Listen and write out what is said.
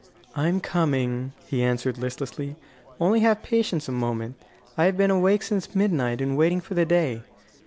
"I am coming," he answered listlessly; "only have patience a moment. I have been awake since midnight, and waiting for the day."